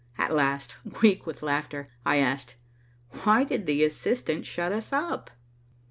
At last, weak with laughter, I asked, "Why did the assistant shut us up?"